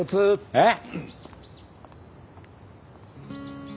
えっ？